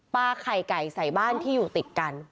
ไข่ไก่ใส่บ้านที่อยู่ติดกัน